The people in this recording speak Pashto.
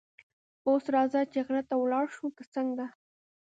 اوس راځه چې غره ته ولاړ شو، که څنګه؟